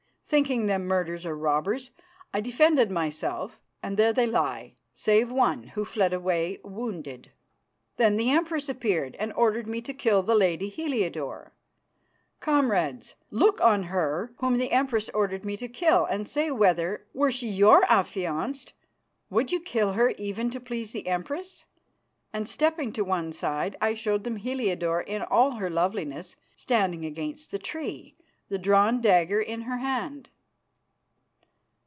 Thinking them murderers or robbers, I defended myself, and there they lie, save one, who fled away wounded. Then the Empress appeared and ordered me to kill the lady Heliodore. Comrades, look on her whom the Empress ordered me to kill, and say whether, were she your affianced, you would kill her even to please the Empress," and, stepping to one side, I showed them Heliodore in all her loveliness standing against the tree, the drawn dagger in her hand.